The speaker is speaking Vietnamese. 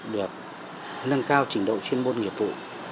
được nâng cao trình độ chuyên môn nghiệp vụ